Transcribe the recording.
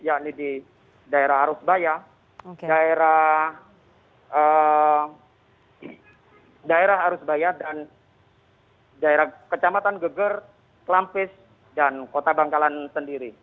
yakni di daerah arusbaya daerah arusbaya dan kecamatan geger klampis dan kota bangkalan sendiri